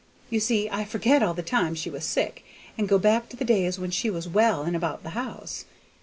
You see I forget all the time she was sick, and go back to the days when she was well and about the house.